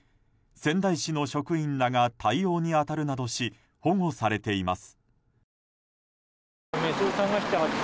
仙台市の職員らが対応に当たるなどし保護されています。